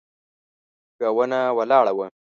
يوه ونه ولاړه وه.